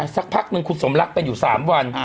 สักพักหนึ่งคุณสมรักเป็นอยู่๓วัน